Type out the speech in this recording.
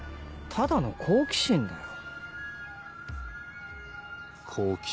ただの好奇心だと。